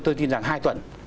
tôi tin rằng hai tuần